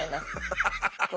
ハハハハッ！